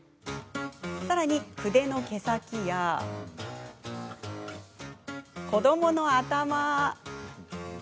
さらに、筆の毛先や子どもの頭。